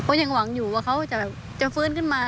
ก็ยังหวังอยู่ว่าเขาจะฟื้นขึ้นมา